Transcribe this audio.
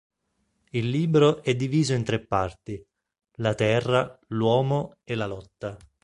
Il libro è diviso in tre parti: La Terra, L'Uomo e La Lotta.